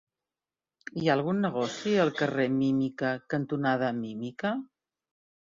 Hi ha algun negoci al carrer Mímica cantonada Mímica?